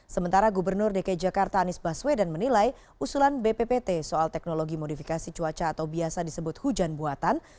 sementara gubernur dki jakarta anies baswedan menilai usulan bppt soal teknologi modifikasi cuaca atau biasa disebut hujan buatan